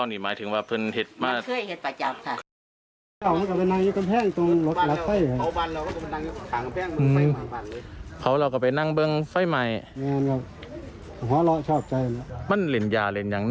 สาวบาลิชอบใจ